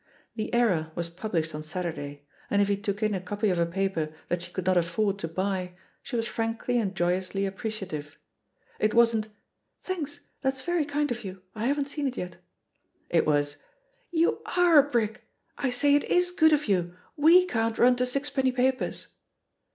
The Era was published on Saturday, and if he took in a copy of a paper iJiat she could not aff^ord to buy she was frankly and joyously appreciative. It wasn't, "Thanks, that's very kind of you, I haven't seen it yet;" it was, "You are a brick! I say, it is good of youl xve can't nm to sixpenny papers."